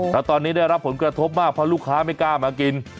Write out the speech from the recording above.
แล้วตอนนี้ได้รับผลกระทบมากเพราะลูกค้าไม่กล้ามากิน